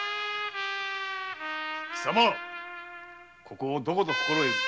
貴様ここをどこと心得る。